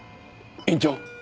院長。